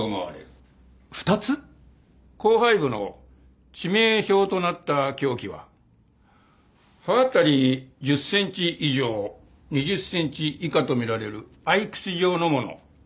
後背部の致命傷となった凶器は刃渡り１０センチ以上２０センチ以下と見られる匕首状のもの。